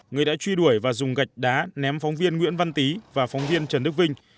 người đã truy đuổi và dùng gạch đá ném phóng viên nguyễn văn tý và phóng viên trần đức vinh